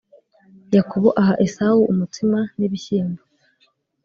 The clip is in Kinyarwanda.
Yakobo aha Esawu umutsima n ibishyimbo